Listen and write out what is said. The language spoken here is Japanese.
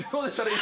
今。